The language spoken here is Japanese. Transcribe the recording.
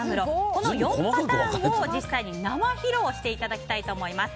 この４パターンを実際、生披露していただきたいと思います。